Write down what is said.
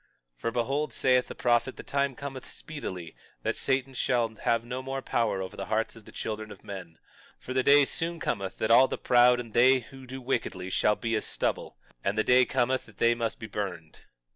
22:15 For behold, saith the prophet, the time cometh speedily that Satan shall have no more power over the hearts of the children of men; for the day soon cometh that all the proud and they who do wickedly shall be as stubble; and the day cometh that they must be burned.